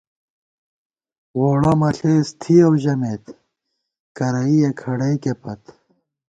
ووڑہ مہ ݪېس تھِیَؤ ژمېت کرَئییَہ کھڑئیکےپت